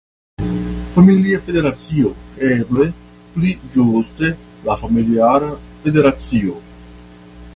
Familia Federacio, eble pli ĝuste la Familiara Federacio.